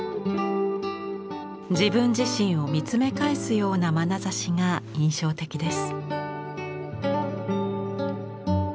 自分自身を見つめ返すようなまなざしが印象的です。